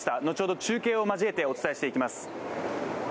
後ほど中継を交えてお伝えしていきます。